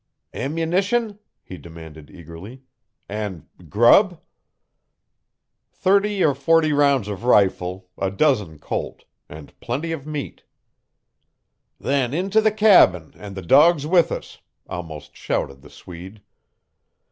"Ammunition?" he demanded eagerly. "And grub?" "Thirty or forty rounds of rifle, a dozen Colt, and plenty of meat " "Then into the cabin, and the dogs with us," almost shouted the Swede.